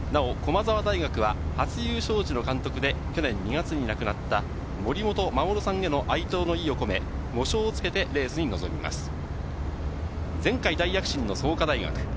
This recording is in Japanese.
なお駒澤大学は初優勝時の監督で去年２月に亡くなった森本葵さんへの哀悼の意を込め、喪章をつけてレースに挑みます。